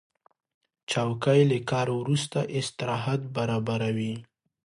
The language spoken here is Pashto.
چوکۍ له کار وروسته استراحت برابروي.